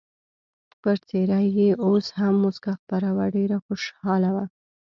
پر څېره یې اوس هم مسکا خپره وه، ډېر خوشحاله و.